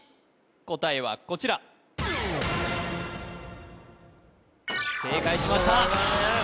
答えはこちら正解しました